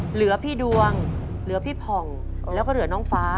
เหลือพี่ดวงเหลือพี่ผ่องแล้วก็เหลือน้องฟ้า